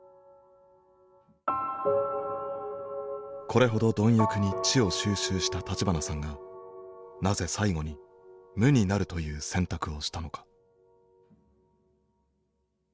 これほど貪欲に知を収集した立花さんがなぜ最後に無になるという選択をしたのか。